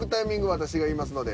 私が言いますので。